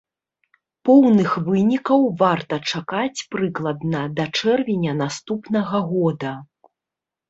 Поўных вынікаў варта чакаць, прыкладна, да чэрвеня наступнага года.